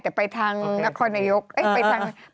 แต่ไปทางนักคอนโยคเอ๊ะไปทางอะไร